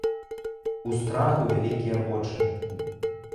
У страху вялікія вочы.